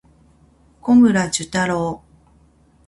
小村寿太郎